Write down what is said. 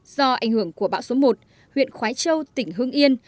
do ảnh hưởng của bão số một huyện khói châu tỉnh hương yên